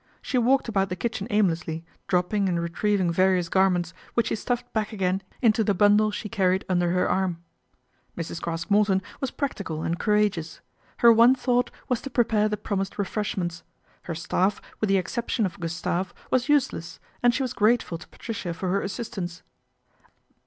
She walked about the kitchen aimlessly, dropping and retrieving various garments, which she stuffed back again into the bundle she carried under her arm. Mrs. Craske Morton was practical and courage ous. Her one thought was to prepare the promised refreshments. Her staff, with the exception of Gustave, was useless, and she was grateful to Patricia for her assistance.